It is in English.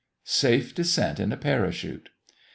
SAFE DESCENT IN A PARACHUTE.